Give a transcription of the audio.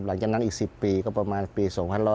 หลังจากนั้นอีก๑๐ปีก็ประมาณปี๒๕๖๐